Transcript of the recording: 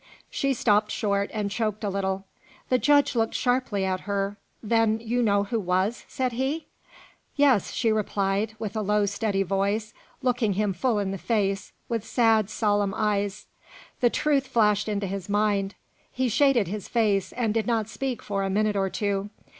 She stopped short, and choked a little. The judge looked sharply at her. "Then you know who was?" said he. "Yes," she replied, with a low, steady voice, looking him full in the face, with sad, solemn eyes. The truth flashed into his mind. He shaded his face, and did not speak for a minute or two.